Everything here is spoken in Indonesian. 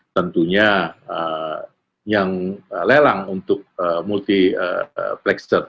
tentunya yang lelang untuk multi flexer